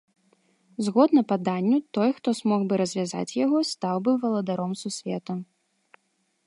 Згодна паданню, той, хто змог бы развязаць яго, стаў бы валадаром сусвету.